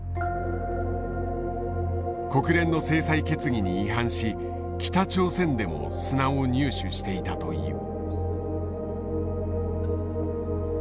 国連の制裁決議に違反し北朝鮮でも砂を入手していたという。